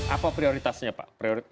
apa prioritasnya pak